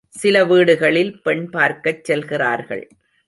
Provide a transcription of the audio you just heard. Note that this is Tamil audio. சில வீடுகளில் பெண் பார்க்கச் செல்கிறார்கள்.